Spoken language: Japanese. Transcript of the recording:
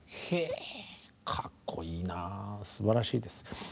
へかっこいいなぁすばらしいです。